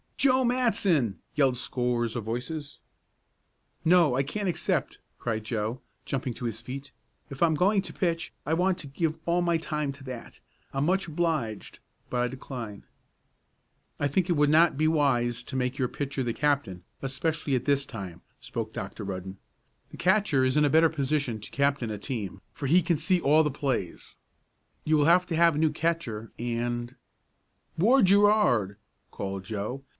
"Joe Matson!" yelled scores of voices. "No, I can't accept," cried Joe, jumping to his feet. "If I'm going to pitch I want to give all my time to that. I'm much obliged, but I decline." "I think it would not be wise to make your pitcher the captain, especially at this time," spoke Dr. Rudden. "The catcher is in a better position to captain a team, for he can see all the plays. You will have to have a new catcher, and " "Ward Gerard!" called Joe.